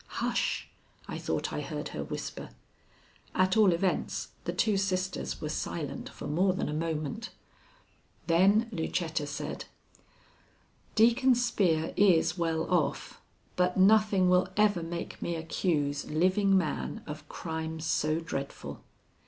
"Hush!" I thought I heard her whisper. At all events the two sisters were silent for more than a moment. Then Lucetta said: "Deacon Spear is well off, but nothing will ever make me accuse living man of crime so dreadful."